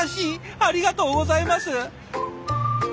ありがとうございます！